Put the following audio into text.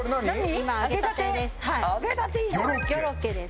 今揚げたてです。